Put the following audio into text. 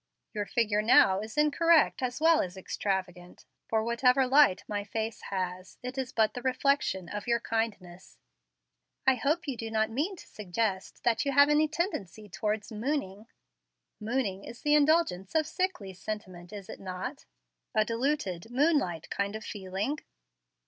"Your figure now is incorrect as well as extravagant; for, whatever light my face has, it is but the reflection of your kindness." "I hope you do not mean to suggest that you have any tendency towards 'mooning'?" "'Mooning' is the indulgence of sickly sentiment, is it not, a diluted moonlight kind of feeling?"